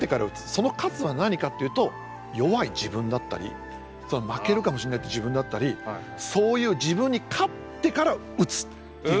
その「勝つ」は何かっていうと弱い自分だったり負けるかもしんないって自分だったりそういう自分に勝ってから打つっていう。